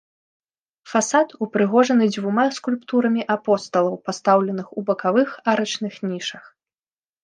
Фасад упрыгожаны дзвюма скульптурамі апосталаў, пастаўленых у бакавых арачных нішах.